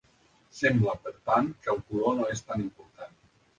Sembla, per tant, que el color no és tan important.